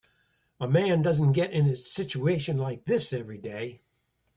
A man doesn't get in a situation like this every day.